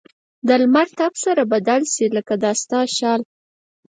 د لمر تپ سره بدل شي؛ لکه د ستا شال.